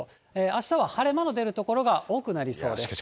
あしたは晴れ間の出る所が多くなりそうです。